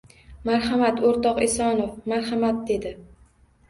— Marhamat, o‘rtoq Esonov, marhamat! — dedi.